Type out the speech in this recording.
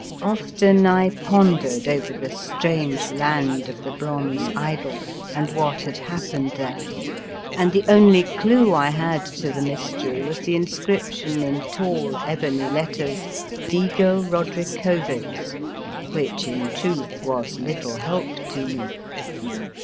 Often I pondered over the strange land of the bronze idol and what had happened 138 Appendix there, and the only clue I had to the mystery was the inscription in tall ebony letters: " DIGO RODRICOVEZ," which in truth was little help to me.